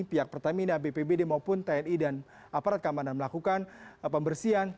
pihak pertamina bpbd maupun tni dan aparat keamanan melakukan pembersihan